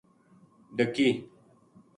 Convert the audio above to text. ڈَکی